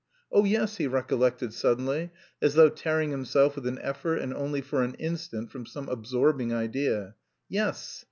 "Oh, yes!" he recollected suddenly, as though tearing himself with an effort and only for an instant from some absorbing idea, "yes...